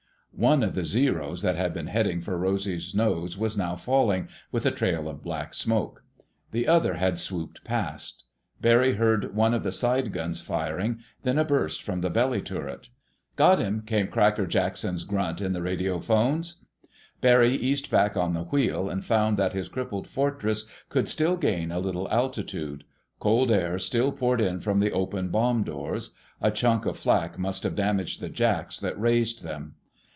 One of the Zeros that had been heading for Rosy's nose was now falling, with a trail of black smoke. The other had swooped past. Barry heard one of the side guns firing, then a burst from the belly turret. "Got him!" came Cracker Jackson's grunt in the radiophones. Barry eased back on the wheel and found that his crippled Fortress could still gain a little altitude. Cold air still poured in from the open bomb doors; a chunk of flak must have damaged the jacks that raised them.